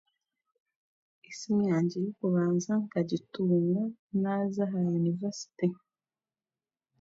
Esimu yangye y'okubanza nkagitunga naaza aha yunivasite